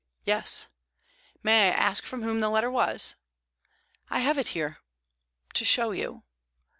"Yes." "May I ask from whom the letter was?" "I have it here to show you."